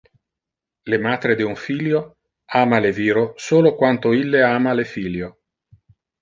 Le matre de un filio, ama le viro solo quanto ille ama le filio.